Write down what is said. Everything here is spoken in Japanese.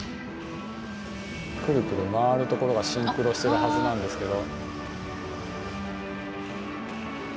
クルクル回るところがシンクロするはずなんですけど。